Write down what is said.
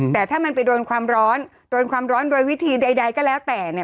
แต่ถ้ามันไปโดนความร้อนโดนความร้อนโดยวิธีใดก็แล้วแต่เนี่ย